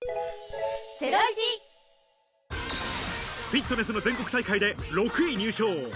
フィットネスの全国大会で６位入賞。